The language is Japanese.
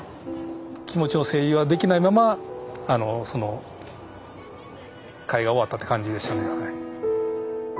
気持ちの整理はできないままその終わったって感じでしたね。